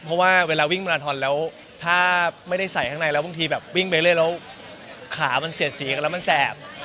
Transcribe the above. เพราะว่าเวลาวิ่งมาราทอนแล้วถ้าไม่ได้ใส่ข้างในแล้วบางทีแบบวิ่งไปเรื่อยแล้วขามันเสียดสีกันแล้วมันแสบ